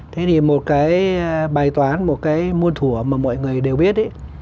thế thì một cái bài toán một cái muôn thủa mà mọi người đều biết ấy